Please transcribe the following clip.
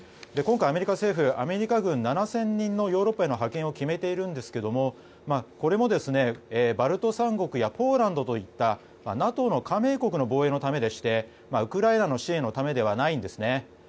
今回、アメリカ政府アメリカ軍７０００人のヨーロッパへの派遣を決めているんですがこれもバルト三国やポーランドといったＮＡＴＯ加盟国防衛のためでウクライナの支援のためではないんですね。